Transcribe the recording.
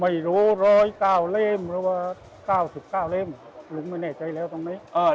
ไม่รู้๑๐๙เล่มหรือว่า๙๙เล่มลุงไม่แน่ใจแล้วตรงนี้